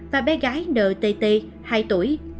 và bé gái ntt hai tuổi